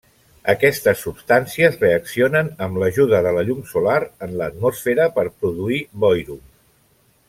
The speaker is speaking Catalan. Aquestes substàncies reaccionen amb l'ajuda de la llum solar en l'atmosfera per produir boirum.